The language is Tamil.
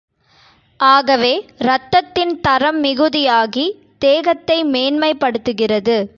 ஆகவே, இரத்தத்தின் தரம் மிகுதியாகி, தேகத்தை மேன்மை படுத்துகிறது.